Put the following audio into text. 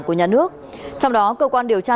của nhà nước trong đó cơ quan điều tra